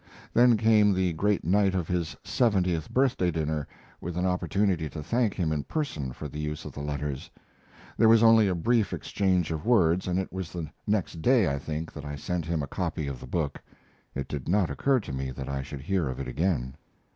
Then came the great night of his seventieth birthday dinner, with an opportunity to thank him in person for the use of the letters. There was only a brief exchange of words, and it was the next day, I think, that I sent him a copy of the book. It did not occur to me that I should hear of it again.